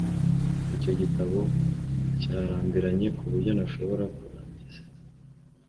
Icyo gitabo cyarambiranye kuburyo ntashobora kurangiza